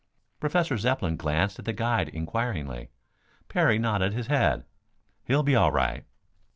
Professor Zepplin glanced at the guide inquiringly. Parry nodded his head. "He'll be all right."